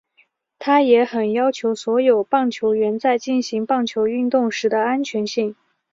他也很要求所有棒球员在进行棒球运动时的安全性。